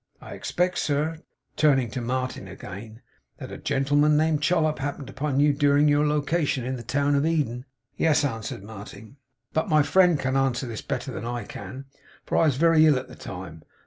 I expect, sir,' turning to Martin again, 'that a gentleman named Chollop happened in upon you during your lo cation in the town of Eden?' 'Yes,' answered Martin; 'but my friend can answer this better than I can, for I was very ill at the time.